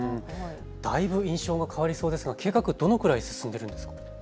だいぶ印象が変わりそうですが計画、どのくらい進んでいるんですか。